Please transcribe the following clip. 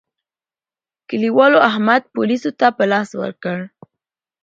کلیوالو احمد پوليسو ته په لاس ورکړ.